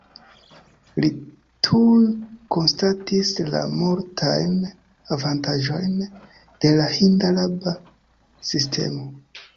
Li tuj konstatis la multajn avantaĝojn de la hind-araba sistemo.